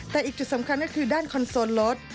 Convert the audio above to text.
แต่อีกจุดสำคัญก็คือด้านคอนโซลรถ